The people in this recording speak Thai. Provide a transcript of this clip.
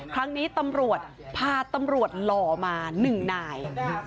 ครั้งนี้ตำรวจพาตำรวจหล่อมา๑นาย